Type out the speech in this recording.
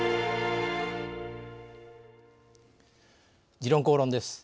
「時論公論」です。